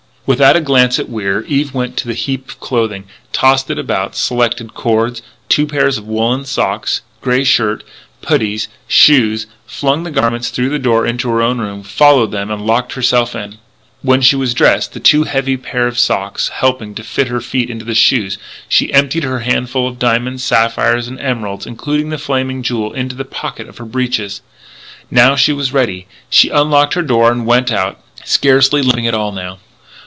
Without a glance at Wier, Eve went to the heap of clothing, tossed it about, selected cords, two pairs of woollen socks, grey shirt, puttees, shoes, flung the garments through the door into her own room, followed them, and locked herself in. When she was dressed the two heavy pairs of socks helping to fit her feet to the shoes she emptied her handful of diamonds, sapphires and emeralds, including the Flaming Jewel, into the pockets of her breeches. Now she was ready. She unlocked her door and went out, scarcely limping at all, now.